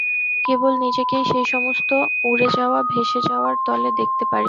কেবল নিজেকেই সেই-সমস্ত উড়ে-যাওয়া ভেসে-যাওয়ার দলে দেখতে পারি নে।